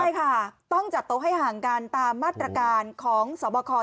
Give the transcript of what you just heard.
ใช่ค่ะต้องจัดโต๊ะให้ห่างกันตามมาตรการของสวบค